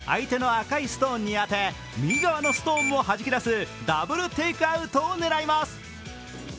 画面左から相手の赤いストーンに当て右側のストーンもはじき出すダブルテイクアウトを狙います。